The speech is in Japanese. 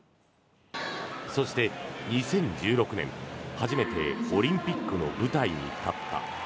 そして２０１６年初めてオリンピックの舞台に立った。